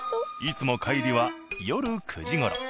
いつも帰りは夜９時頃。